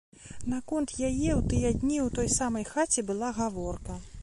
Наконт яе ў тыя дні ў той самай хаце была гаворка.